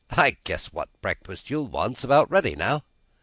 I guess what breakfast you'll want's about ready now."